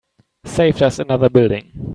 Saved us another building.